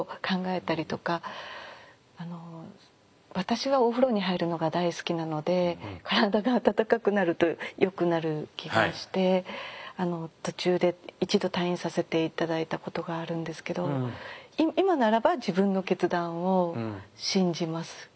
私はお風呂に入るのが大好きなので体が温かくなるとよくなる気がして途中で一度退院させて頂いたことがあるんですけど今ならば自分の決断を信じます。